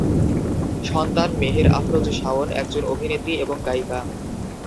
সন্তান মেহের আফরোজ শাওন একজন অভিনেত্রী এবং গায়িকা।